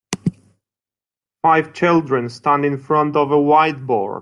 Five children stand in front of a whiteboard.